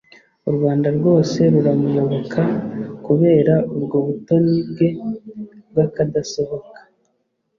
u Rwanda rwose ruramuyoboka kubera ubwo butoni bwe bw’akadasohoka